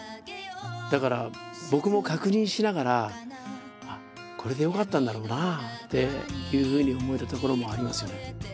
だから僕も確認しながらこれでよかったんだろうなっていうふうに思えたところもありますよね。